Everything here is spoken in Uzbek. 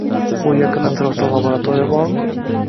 Bu yaqin atrofda laborotoriya bormi?